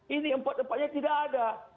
ini empat empatnya tidak ada